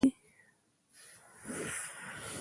ایا ستاسو اذان به کیږي؟